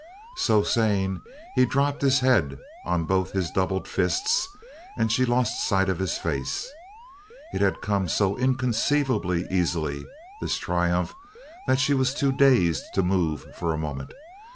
So saying, he dropped his head on both his doubled fists, and she lost sight of his face. It had come so inconceivably easily, this triumph, that she was too dazed to move, for a moment.